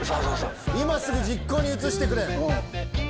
今すぐ実行に移してくれ。